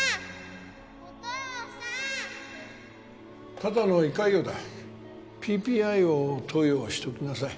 ただの胃潰瘍だ ＰＰＩ を投与しておきなさい